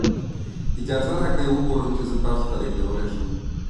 اجازه راکړئ وګورم چې زه تاسو ته لیږدولی شم.